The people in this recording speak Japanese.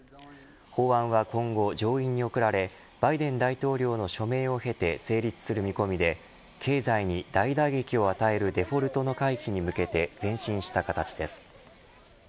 法案は今後、上院に送られバイデン大統領の署名を経て成立する見込みで経済に大打撃を与えるデフォルトの回避に向けて前進した形です。